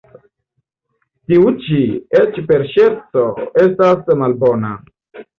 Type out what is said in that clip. Tiu ĉi eĉ por ŝerco estas malbona.